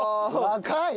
若い！